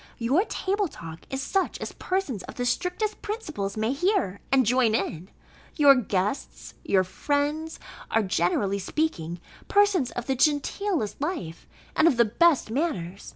Your table talk is such as persons of the strictest principles may hear, and join in: your guests, and your friends are, generally speaking, persons of the genteelest life, and of the best manners.